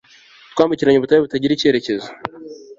twambukiranya ubutayu butagira icyerekezo